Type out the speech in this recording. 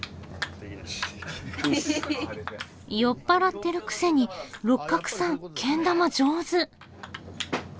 酔っ払ってるくせに六角さんけん玉上手！